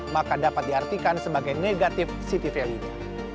maka dapat diartikan sebagai negatif city value nya